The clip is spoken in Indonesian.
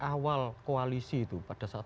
awal koalisi itu pada saat